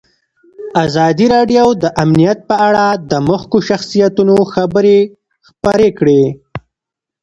ازادي راډیو د امنیت په اړه د مخکښو شخصیتونو خبرې خپرې کړي.